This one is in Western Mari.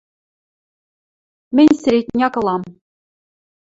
– Мӹнь середняк ылам!